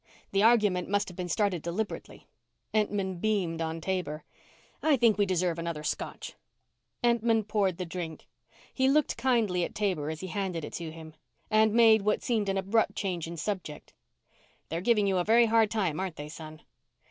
The argument must have been started deliberately." Entman beamed on Taber. "I think we deserve another Scotch." Entman poured the drink. He looked kindly at Taber as he handed it to him, and made what seemed an abrupt change in subject. "They're giving you a very hard time, aren't they, son?"